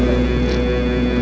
udah bocan mbak